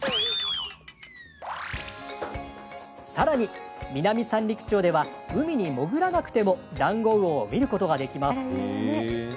さらに、南三陸町では海に潜らなくてもダンゴウオを見ることができます。